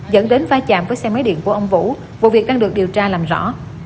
dẫn đến phá chạm với xe máy điện của ông vũ vụ việc đang được điều tra làm rõ